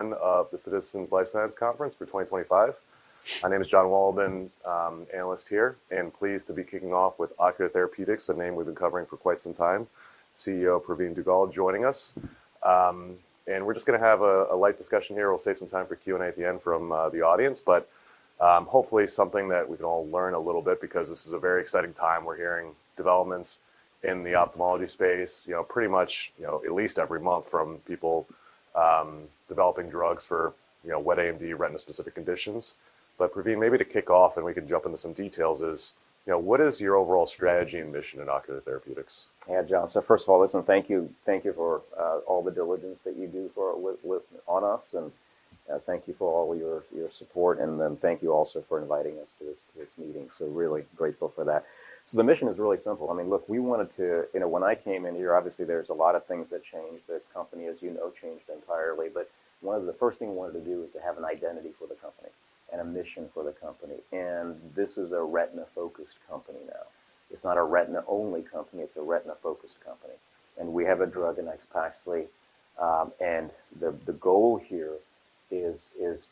Of the Citizens' Life Science conference for 2025. My name is John Wall, I've been an analyst here, and pleased to be kicking off with Ocular Therapeutix, a name we've been covering for quite some time. CEO Pravin Dugel joining us. And we're just going to have a light discussion here. We'll save some time for Q&A at the end from the audience, but hopefully something that we can all learn a little bit because this is a very exciting time. We're hearing developments in the ophthalmology space, you know, pretty much, you know, at least every month from people developing drugs for, you know, wet AMD, retina-specific conditions. But Pravin, maybe to kick off, and we can jump into some details, is, you know, what is your overall strategy and mission in Ocular Therapeutix? Yeah, John, first of all, listen, thank you. Thank you for all the diligence that you do for us, and thank you for all your support, and thank you also for inviting us to this meeting. Really grateful for that. The mission is really simple. I mean, look, we wanted to, you know, when I came in here, obviously there are a lot of things that changed. The company, as you know, changed entirely, but one of the first things we wanted to do is to have an identity for the company and a mission for the company. This is a retina-focused company now. It's not a retina-only company. It's a retina-focused company. We have a drug in AXPAXLI, and the goal here is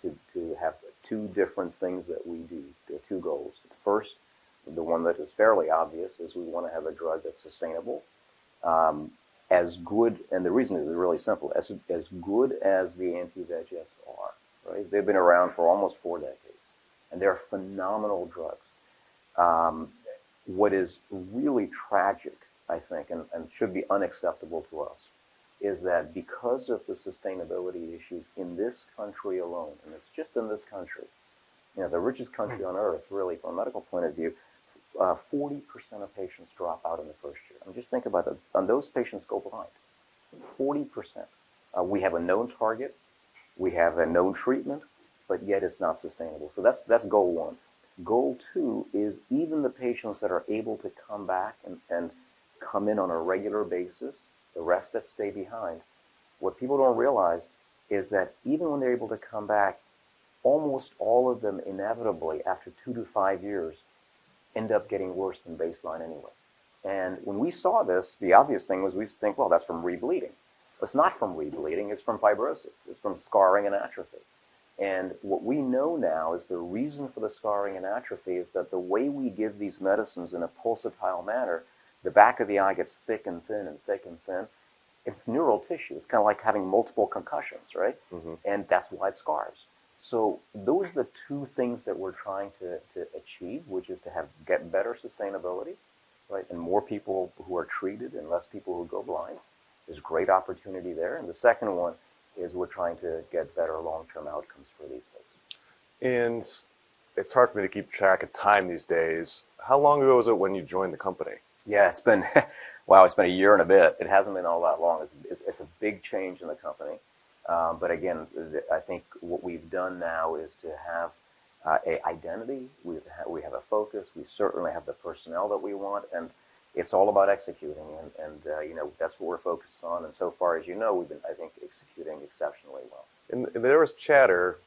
to have two different things that we do. There are two goals. First, the one that is fairly obvious is we want to have a drug that's sustainable, as good, and the reason is really simple, as good as the anti-VEGFs are, right? They've been around for almost four decades, and they're phenomenal drugs. What is really tragic, I think, and should be unacceptable to us, is that because of the sustainability issues in this country alone, and it's just in this country, you know, the richest country on earth, really, from a medical point of view, 40% of patients drop out in the first year. I mean, just think about that. And those patients go blind. 40%. We have a known target. We have a known treatment, but yet it's not sustainable. So that's goal one. Goal two is even the patients that are able to come back and come in on a regular basis, the rest that stay behind, what people do not realize is that even when they are able to come back, almost all of them inevitably, after two to five years, end up getting worse than baseline anyway. When we saw this, the obvious thing was we used to think, well, that is from rebleeding. It is not from rebleeding. It is from fibrosis. It is from scarring and atrophy. What we know now is the reason for the scarring and atrophy is that the way we give these medicines in a pulsatile manner, the back of the eye gets thick and thin and thick and thin. It is neural tissue. It is kind of like having multiple concussions, right? That is why it scars. Those are the two things that we're trying to achieve, which is to get better sustainability, right, and more people who are treated and less people who go blind. There's great opportunity there. The second one is we're trying to get better long-term outcomes for these folks. It's hard for me to keep track of time these days. How long ago was it when you joined the company? Yeah, it's been, wow, it's been a year and a bit. It hasn't been all that long. It's a big change in the company. Again, I think what we've done now is to have an identity. We have a focus. We certainly have the personnel that we want, and it's all about executing. You know, that's what we're focused on. So far, as you know, we've been, I think, executing exceptionally well. There was chatter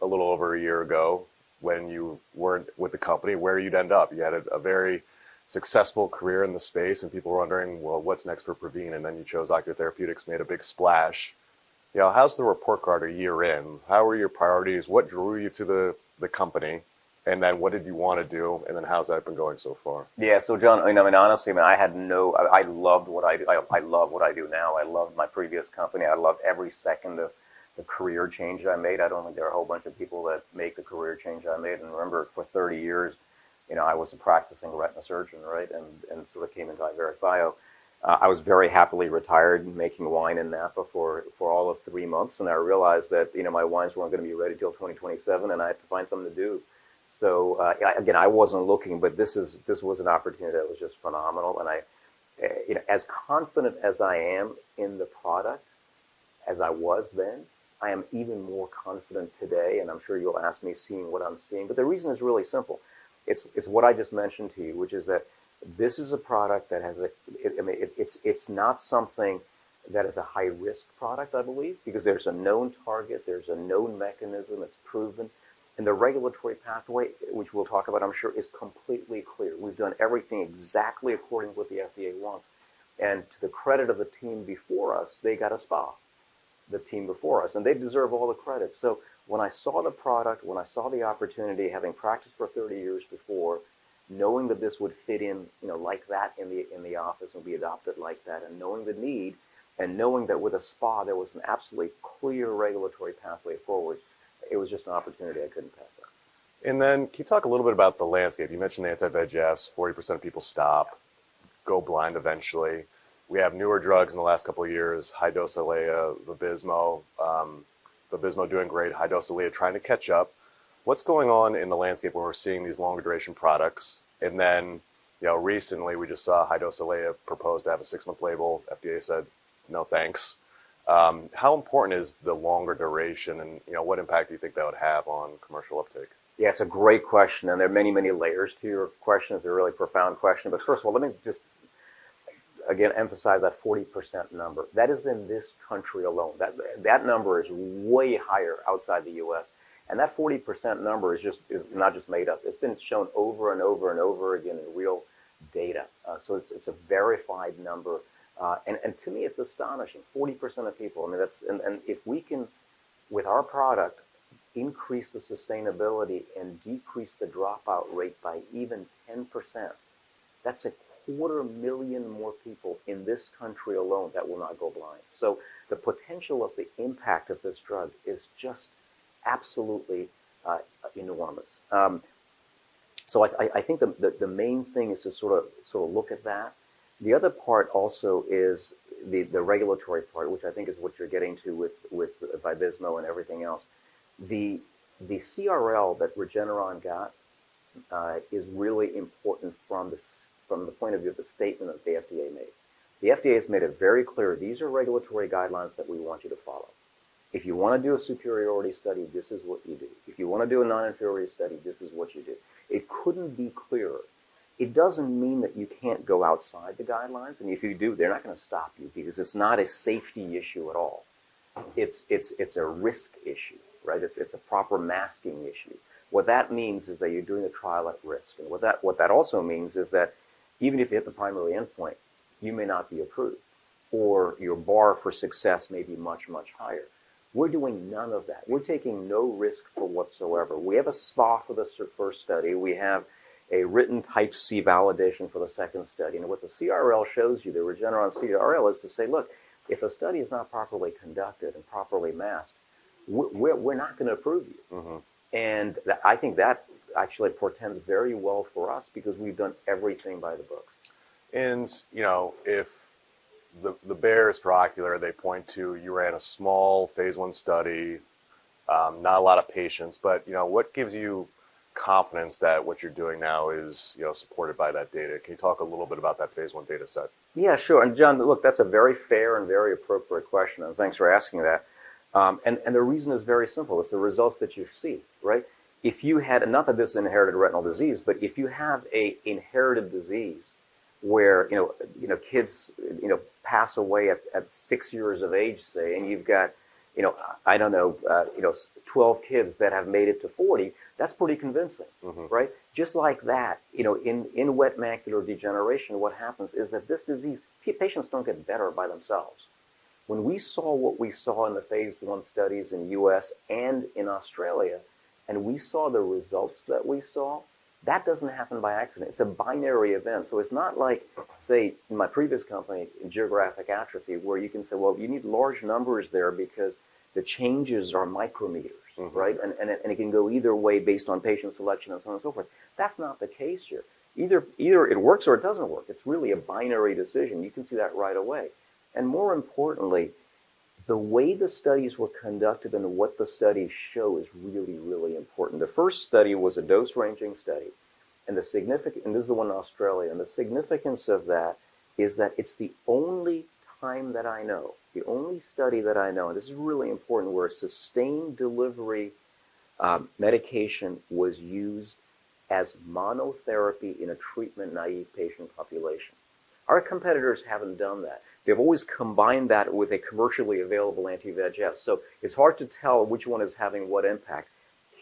a little over a year ago when you were not with the company where you would end up. You had a very successful career in the space, and people were wondering, well, what is next for Pravin? You chose Ocular Therapeutix, made a big splash. You know, how is the report card a year in? How were your priorities? What drew you to the company? What did you want to do? How has that been going so far? Yeah, so John, I mean, honestly, I mean, I had no, I loved what I do. I love what I do now. I loved my previous company. I loved every second of the career change I made. I do not think there are a whole bunch of people that make the career change I made. Remember, for 30 years, you know, I was a practicing retina surgeon, right? And sort of came into Iveric Bio. I was very happily retired, making wine in Napa for all of three months, and I realized that, you know, my wines were not going to be ready until 2027, and I had to find something to do. Again, I was not looking, but this was an opportunity that was just phenomenal. I, you know, as confident as I am in the product as I was then, I am even more confident today, and I'm sure you'll ask me seeing what I'm seeing. The reason is really simple. It's what I just mentioned to you, which is that this is a product that has, I mean, it's not something that is a high-risk product, I believe, because there's a known target, there's a known mechanism that's proven, and the regulatory pathway, which we'll talk about, I'm sure, is completely clear. We've done everything exactly according to what the FDA wants. To the credit of the team before us, they got a spot, the team before us, and they deserve all the credit. When I saw the product, when I saw the opportunity, having practiced for 30 years before, knowing that this would fit in, you know, like that in the office and be adopted like that, and knowing the need, and knowing that with a SPA, there was an absolutely clear regulatory pathway forward, it was just an opportunity I couldn't pass up. Can you talk a little bit about the landscape? You mentioned the anti-VEGFs. 40% of people stop, go blind eventually. We have newer drugs in the last couple of years, Eylea HD, Vabysmo. Vabysmo doing great, Eylea HD trying to catch up. What's going on in the landscape where we're seeing these longer duration products? You know, recently we just saw Eylea HD proposed to have a six-month label. FDA said, "No thanks." How important is the longer duration and, you know, what impact do you think that would have on commercial uptake? Yeah, it's a great question. There are many, many layers to your question. It's a really profound question. First of all, let me just again emphasize that 40% number. That is in this country alone. That number is way higher outside the U.S. That 40% number is not just made up. It's been shown over and over and over again in real data. It's a verified number. To me, it's astonishing. 40% of people, I mean, that's, and if we can, with our product, increase the sustainability and decrease the dropout rate by even 10%, that's a quarter million more people in this country alone that will not go blind. The potential of the impact of this drug is just absolutely enormous. I think the main thing is to sort of look at that. The other part also is the regulatory part, which I think is what you're getting to with Vabysmo and everything else. The CRL that Regeneron got is really important from the point of view of the statement that the FDA made. The FDA has made it very clear, these are regulatory guidelines that we want you to follow. If you want to do a superiority study, this is what you do. If you want to do a non-inferiority study, this is what you do. It couldn't be clearer. It doesn't mean that you can't go outside the guidelines. If you do, they're not going to stop you because it's not a safety issue at all. It's a risk issue, right? It's a proper masking issue. What that means is that you're doing a trial at risk. What that also means is that even if you hit the primary endpoint, you may not be approved, or your bar for success may be much, much higher. We're doing none of that. We're taking no risk whatsoever. We have a SPA for the first study. We have a written type C validation for the second study. What the CRL shows you, the Regeneron CRL, is to say, look, if a study is not properly conducted and properly masked, we're not going to approve you. I think that actually portends very well for us because we've done everything by the books. You know, if the bear is for Ocular Therapeutix, they point to you ran a small phase I study, not a lot of patients, but, you know, what gives you confidence that what you're doing now is, you know, supported by that data? Can you talk a little bit about that phase I data set? Yeah, sure. John, look, that's a very fair and very appropriate question. Thanks for asking that. The reason is very simple. It's the results that you see, right? If you had, and not that this is an inherited retinal disease, but if you have an inherited disease where, you know, kids, you know, pass away at six years of age, say, and you've got, you know, I don't know, you know, 12 kids that have made it to 40, that's pretty convincing, right? Just like that, you know, in wet macular degeneration, what happens is that this disease, patients don't get better by themselves. When we saw what we saw in the phase I studies in the U.S. and in Australia, and we saw the results that we saw, that doesn't happen by accident. It's a binary event. It's not like, say, in my previous company, in geographic atrophy, where you can say, well, you need large numbers there because the changes are micrometers, right? It can go either way based on patient selection and so on and so forth. That's not the case here. Either it works or it doesn't work. It's really a binary decision. You can see that right away. More importantly, the way the studies were conducted and what the studies show is really, really important. The first study was a dose-ranging study, and the significant, and this is the one in Australia, and the significance of that is that it's the only time that I know, the only study that I know, and this is really important, where sustained delivery medication was used as monotherapy in a treatment naive patient population. Our competitors haven't done that. They've always combined that with a commercially available anti-VEGF. It is hard to tell which one is having what impact.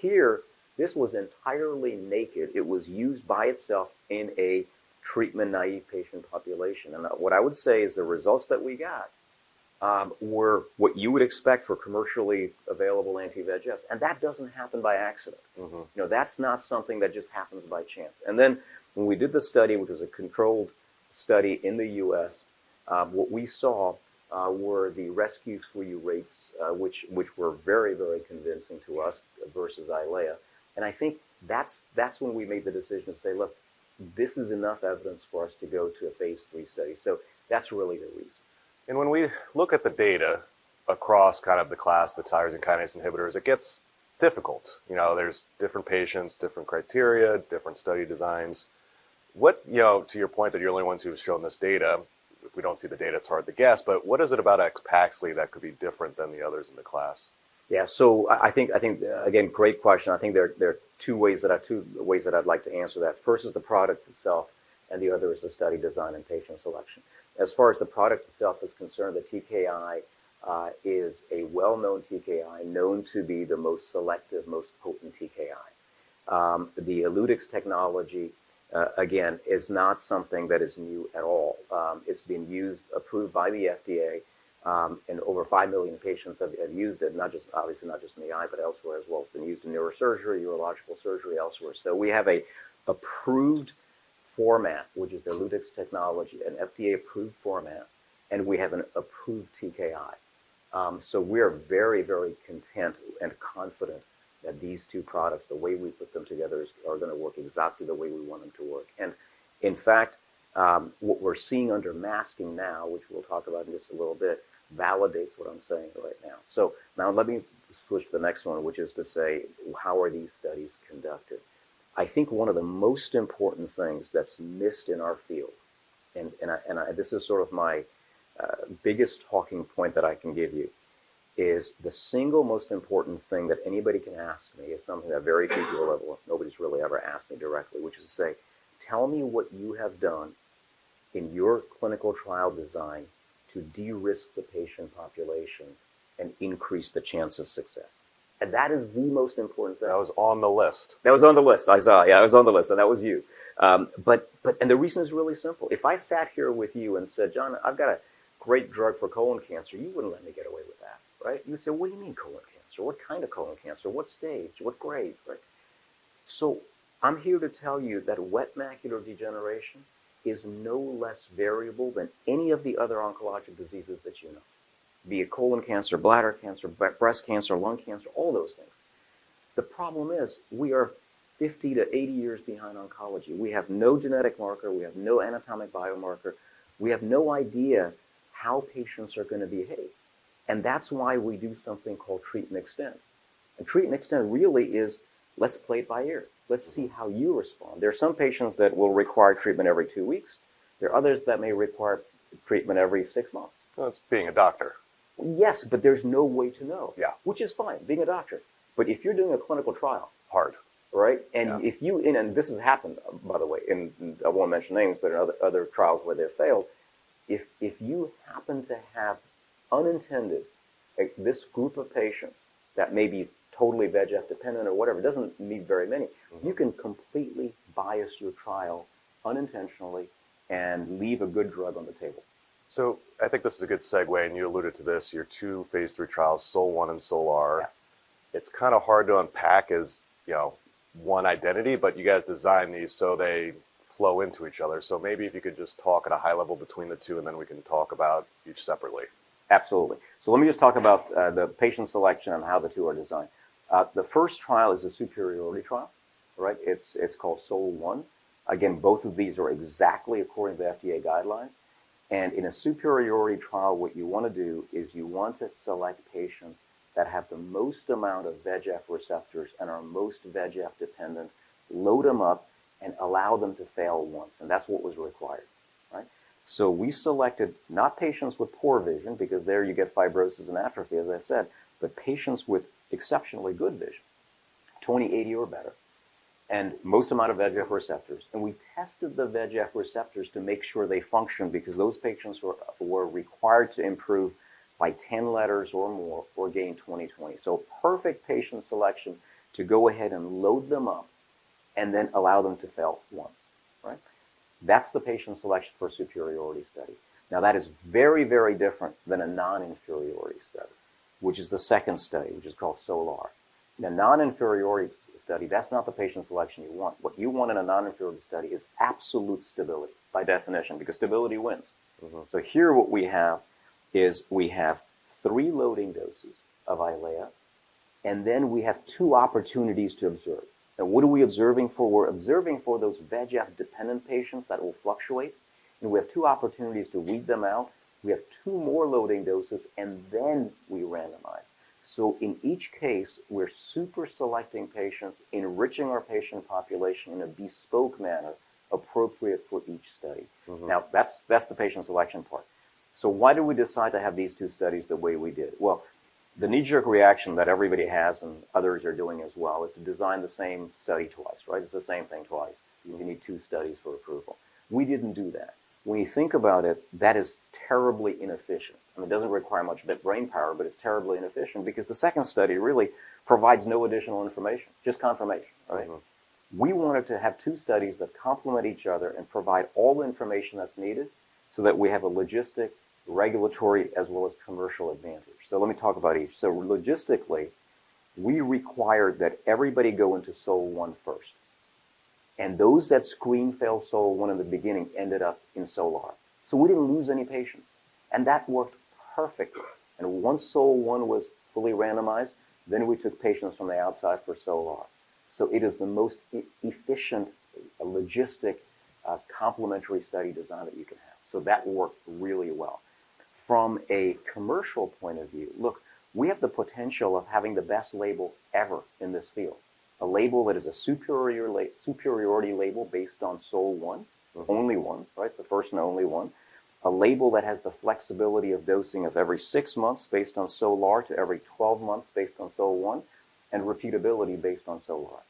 Here, this was entirely naked. It was used by itself in a treatment naive patient population. What I would say is the results that we got were what you would expect for commercially available anti-VEGFs. That does not happen by accident. You know, that is not something that just happens by chance. When we did the study, which was a controlled study in the U.S., what we saw were the rescue rates, which were very, very convincing to us versus Eylea. I think that is when we made the decision to say, look, this is enough evidence for us to go to a phase III study. That is really the reason. When we look at the data across kind of the class, the tyrosine kinase inhibitors, it gets difficult. You know, there's different patients, different criteria, different study designs. What, you know, to your point that you're the only ones who have shown this data, if we don't see the data, it's hard to guess, but what is it about AXPAXLI that could be different than the others in the class? Yeah, so I think, again, great question. I think there are two ways that I'd like to answer that. First is the product itself, and the other is the study design and patient selection. As far as the product itself is concerned, the TKI is a well-known TKI, known to be the most selective, most potent TKI. The ELUTYX technology, again, is not something that is new at all. It's been used, approved by the FDA, and over 5 million patients have used it, not just, obviously, not just in the eye, but elsewhere as well. It's been used in neurosurgery, urological surgery, elsewhere. We have an approved format, which is ELUTYX technology, an FDA-approved format, and we have an approved TKI. We're very, very content and confident that these two products, the way we put them together, are going to work exactly the way we want them to work. In fact, what we're seeing under masking now, which we'll talk about in just a little bit, validates what I'm saying right now. Let me switch to the next one, which is to say, how are these studies conducted? I think one of the most important things that's missed in our field, and this is sort of my biggest talking point that I can give you, is the single most important thing that anybody can ask me is something that very few people, nobody's really ever asked me directly, which is to say, tell me what you have done in your clinical trial design to de-risk the patient population and increase the chance of success. That is the most important thing that was on the list. That was on the list. I saw, yeah, it was on the list, and that was you. The reason is really simple. If I sat here with you and said, John, I've got a great drug for colon cancer, you wouldn't let me get away with that, right? You'd say, what do you mean colon cancer? What kind of colon cancer? What stage? What grade? I'm here to tell you that wet macular degeneration is no less variable than any of the other oncologic diseases that you know, be it colon cancer, bladder cancer, breast cancer, lung cancer, all those things. The problem is we are 50-80 years behind oncology. We have no genetic marker. We have no anatomic biomarker. We have no idea how patients are going to behave. That's why we do something called treat and extend. Treat and extend really is, let's play it by ear. Let's see how you respond. There are some patients that will require treatment every two weeks. There are others that may require treatment every six months. That's being a doctor. Yes, but there's no way to know. Yeah. Which is fine, being a doctor. If you're doing a clinical trial, hard, right? If you, and this has happened, by the way, and I won't mention names, but in other trials where they failed, if you happen to have unintended, this group of patients that may be totally VEGF dependent or whatever, it doesn't need very many, you can completely bias your trial unintentionally and leave a good drug on the table. I think this is a good segue, and you alluded to this, your two phase III trials, SOL-1 and SOL-R. It's kind of hard to unpack as, you know, one identity, but you guys designed these so they flow into each other. Maybe if you could just talk at a high level between the two, and then we can talk about each separately. Absolutely. Let me just talk about the patient selection and how the two are designed. The first trial is a superiority trial, right? It's called SOL-1. Again, both of these are exactly according to the FDA guidelines. In a superiority trial, what you want to do is you want to select patients that have the most amount of VEGF receptors and are most VEGF dependent, load them up, and allow them to fail once. That's what was required, right? We selected not patients with poor vision, because there you get fibrosis and atrophy, as I said, but patients with exceptionally good vision, 20/80 or better, and most amount of VEGF receptors. We tested the VEGF receptors to make sure they functioned because those patients were required to improve by 10 letters or more or gain 20/20. Perfect patient selection to go ahead and load them up and then allow them to fail once, right? That's the patient selection for a superiority study. That is very, very different than a non-inferiority study, which is the second study, which is called SOL-R. The non-inferiority study, that's not the patient selection you want. What you want in a non-inferiority study is absolute stability by definition, because stability wins. Here what we have is we have three loading doses of Eylea, and then we have two opportunities to observe. Now, what are we observing for? We're observing for those VEGF dependent patients that will fluctuate. We have two opportunities to weed them out. We have two more loading doses, and then we randomize. In each case, we're super selecting patients, enriching our patient population in a bespoke manner appropriate for each study. Now, that's the patient selection part. Why did we decide to have these two studies the way we did? The knee-jerk reaction that everybody has and others are doing as well is to design the same study twice, right? It's the same thing twice. You need two studies for approval. We didn't do that. When you think about it, that is terribly inefficient. I mean, it doesn't require much brain power, but it's terribly inefficient because the second study really provides no additional information, just confirmation, right? We wanted to have two studies that complement each other and provide all the information that's needed so that we have a logistic, regulatory, as well as commercial advantage. Let me talk about each. Logistically, we required that everybody go into SOL-1 first. Those that screen fail SOL-1 in the beginning ended up in SOL-R. We didn't lose any patients. That worked perfectly. Once SOL-1 was fully randomized, we took patients from the outside for SOL-R. It is the most efficient logistic complementary study design that you can have. That worked really well. From a commercial point of view, look, we have the potential of having the best label ever in this field, a label that is a superiority label based on SOL-1, only one, right? The first and only one, a label that has the flexibility of dosing of every six months based on SOL-R to every 12 months based on SOL-1, and repeatability based on SOL-R.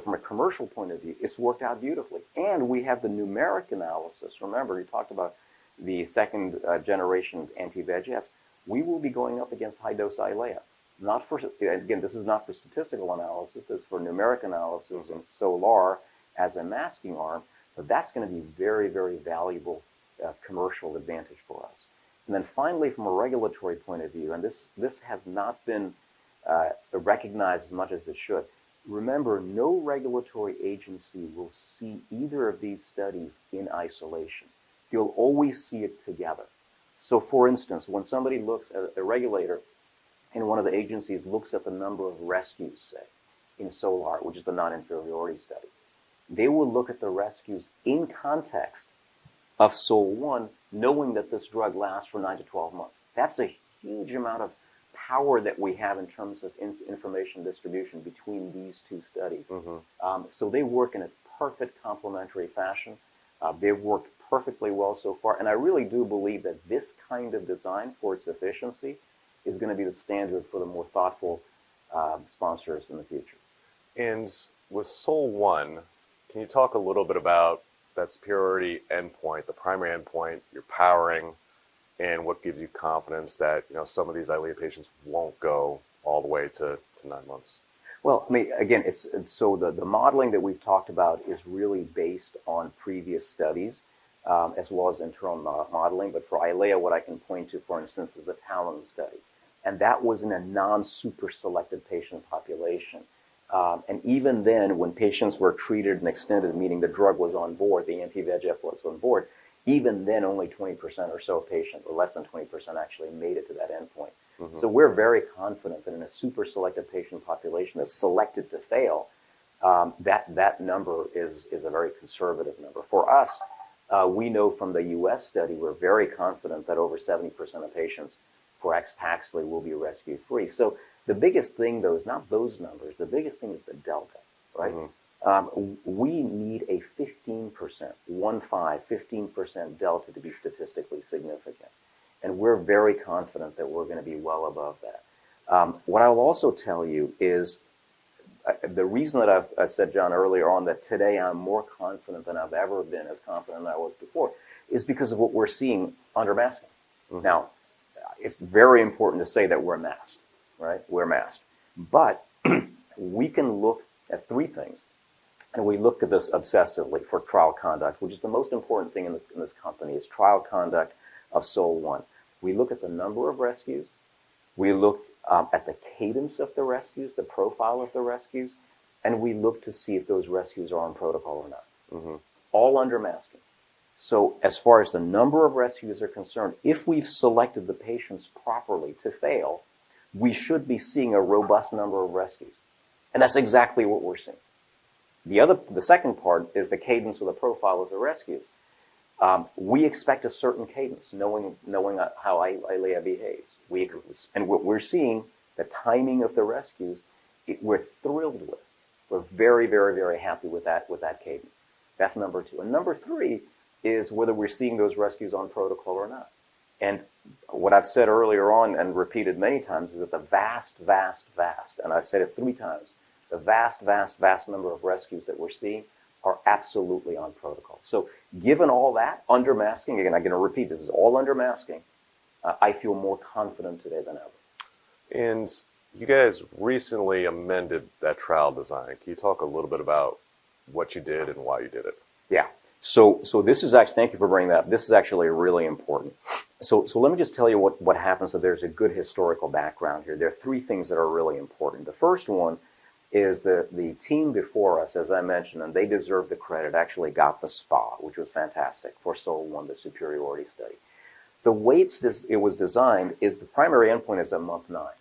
From a commercial point of view, it's worked out beautifully. We have the numeric analysis. Remember, we talked about the second generation of anti-VEGFs. We will be going up against high-dose Eylea. Not for, again, this is not for statistical analysis. This is for numeric analysis and SOL-R as a masking arm, but that's going to be very, very valuable commercial advantage for us. Finally, from a regulatory point of view, and this has not been recognized as much as it should, remember, no regulatory agency will see either of these studies in isolation. You'll always see it together. For instance, when somebody looks at a regulator and one of the agencies looks at the number of rescues, say, in SOL-R, which is the non-inferiority study, they will look at the rescues in context of SOL-1, knowing that this drug lasts for 9-12 months. That's a huge amount of power that we have in terms of information distribution between these two studies. They work in a perfect complementary fashion. They've worked perfectly well so far. I really do believe that this kind of design for its efficiency is going to be the standard for the more thoughtful sponsors in the future. With SOL-1, can you talk a little bit about that superiority endpoint, the primary endpoint, your powering, and what gives you confidence that, you know, some of these Eylea patients won't go all the way to nine months? I mean, again, the modeling that we've talked about is really based on previous studies, as well as internal modeling. For Eylea, what I can point to, for instance, is the Talon study. That was in a non-super selected patient population. Even then, when patients were treated and extended, meaning the drug was on board, the anti-VEGF was on board, even then, only 20% or so of patients, or less than 20% actually, made it to that endpoint. We are very confident that in a super selected patient population that's selected to fail, that number is a very conservative number. For us, we know from the U.S. study, we are very confident that over 70% of patients for AXPAXLI will be rescue free. The biggest thing, though, is not those numbers. The biggest thing is the delta, right? We need a 15%, 1.5, 15% delta to be statistically significant. We are very confident that we are going to be well above that. What I will also tell you is the reason that I said, John, earlier on that today I am more confident than I have ever been, as confident as I was before, is because of what we are seeing under masking. Now, it is very important to say that we are masked, right? We are masked. We can look at three things. We look at this obsessively for trial conduct, which is the most important thing in this company, is trial conduct of SOL-1. We look at the number of rescues. We look at the cadence of the rescues, the profile of the rescues, and we look to see if those rescues are on protocol or not, all under masking. As far as the number of rescues are concerned, if we've selected the patients properly to fail, we should be seeing a robust number of rescues. That's exactly what we're seeing. The second part is the cadence of the profile of the rescues. We expect a certain cadence, knowing how Eylea behaves. What we're seeing, the timing of the rescues, we're thrilled with. We're very, very, very happy with that cadence. That's number two. Number three is whether we're seeing those rescues on protocol or not. What I've said earlier on and repeated many times is that the vast, vast, vast, and I've said it 3x, the vast, vast, vast number of rescues that we're seeing are absolutely on protocol. Given all that, under masking, again, I'm going to repeat, this is all under masking, I feel more confident today than ever. You guys recently amended that trial design. Can you talk a little bit about what you did and why you did it? Yeah. This is actually, thank you for bringing that up. This is actually really important. Let me just tell you what happens. There's a good historical background here. There are three things that are really important. The first one is the team before us, as I mentioned, and they deserve the credit, actually got the spot, which was fantastic for SOL-1, the superiority study. The way it was designed is the primary endpoint is at month nine,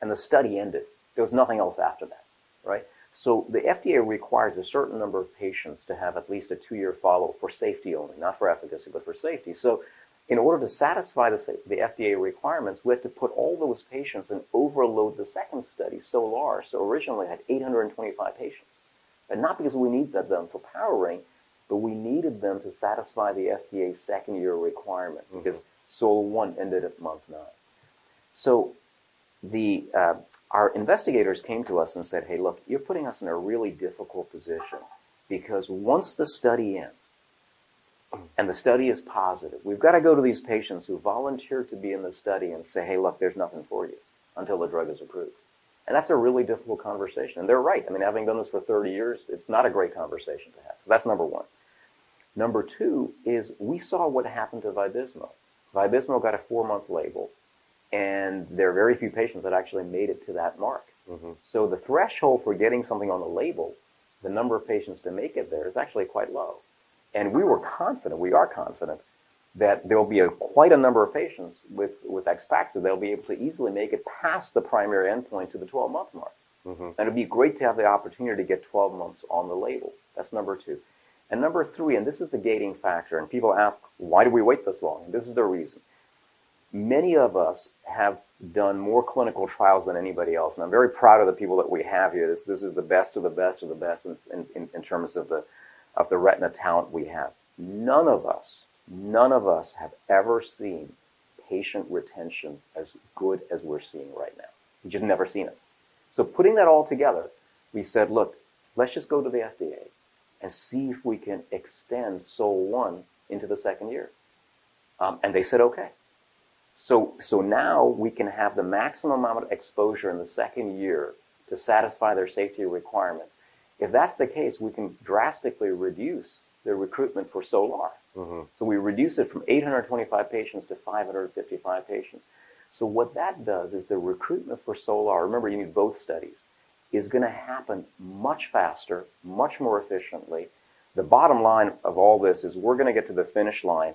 and the study ended. There was nothing else after that, right? The FDA requires a certain number of patients to have at least a two-year follow-up for safety only, not for efficacy, but for safety. In order to satisfy the FDA requirements, we had to put all those patients and overload the second study, SOL-R, so originally had 825 patients. Not because we needed them for powering, but we needed them to satisfy the FDA second-year requirement because SOL-1 ended at month nine. Our investigators came to us and said, "Hey, look, you're putting us in a really difficult position because once the study ends and the study is positive, we've got to go to these patients who volunteered to be in the study and say, "Hey, look, there's nothing for you until the drug is approved." That's a really difficult conversation. They're right. I mean, having done this for 30 years, it's not a great conversation to have. That's number one. Number two is we saw what happened to Vabysmo. Vabysmo got a four-month label, and there are very few patients that actually made it to that mark. The threshold for getting something on the label, the number of patients to make it there, is actually quite low. We were confident, we are confident, that there will be quite a number of patients with AXPAXLI that they'll be able to easily make it past the primary endpoint to the 12-month mark. It would be great to have the opportunity to get 12 months on the label. That's number two. Number three, and this is the gating factor, people ask, "Why did we wait this long?" This is the reason. Many of us have done more clinical trials than anybody else. I'm very proud of the people that we have here. This is the best of the best of the best in terms of the retina talent we have. None of us, none of us have ever seen patient retention as good as we're seeing right now. We've just never seen it. Putting that all together, we said, "Look, let's just go to the FDA and see if we can extend SOL-1 into the second year." They said, "Okay." Now we can have the maximum amount of exposure in the second year to satisfy their safety requirements. If that's the case, we can drastically reduce the recruitment for SOL-R. We reduce it from 825 patients to 555 patients. What that does is the recruitment for SOL-R, remember, you need both studies, is going to happen much faster, much more efficiently. The bottom line of all this is we're going to get to the finish line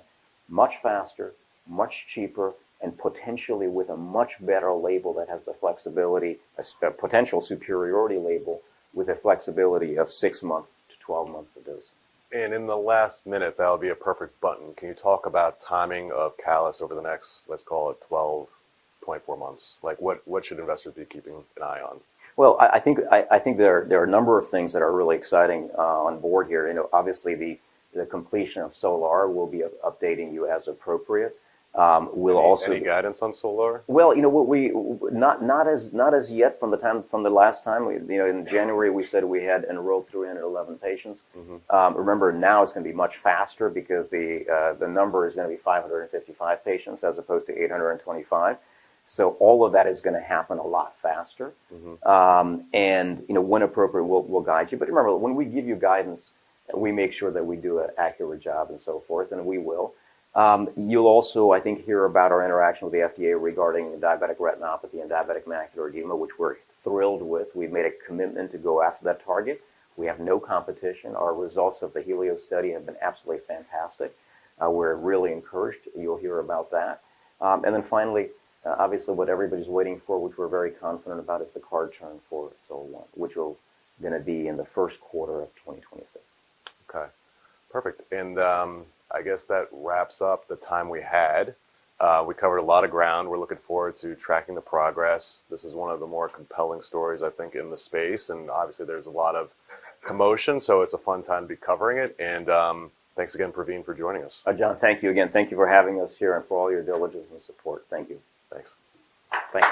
much faster, much cheaper, and potentially with a much better label that has the flexibility, a potential superiority label with a flexibility of six months to 12 months of dosing. In the last minute, that'll be a perfect button. Can you talk about timing of Calus over the next, let's call it 12.4 months? Like, what should investors be keeping an eye on? I think there are a number of things that are really exciting on board here. You know, obviously, the completion of SOL-R will be updating you as appropriate. Do you have any guidance on SOL-R? You know, not as yet from the last time. You know, in January, we said we had enrolled 311 patients. Remember, now it's going to be much faster because the number is going to be 555 patients as opposed to 825. All of that is going to happen a lot faster. You know, when appropriate, we'll guide you. Remember, when we give you guidance, we make sure that we do an accurate job and so forth, and we will. You'll also, I think, hear about our interaction with the FDA regarding diabetic retinopathy and diabetic macular edema, which we're thrilled with. We've made a commitment to go after that target. We have no competition. Our results of the HELIOS study have been absolutely fantastic. We're really encouraged. You'll hear about that. Finally, obviously, what everybody's waiting for, which we're very confident about, is the card turn for SOL-1, which will going to be in the first quarter of 2026. Okay. Perfect. I guess that wraps up the time we had. We covered a lot of ground. We're looking forward to tracking the progress. This is one of the more compelling stories, I think, in the space. Obviously, there's a lot of commotion, so it's a fun time to be covering it. Thanks again, Pravin, for joining us. John, thank you again. Thank you for having us here and for all your diligence and support. Thank you. Thanks. Thanks.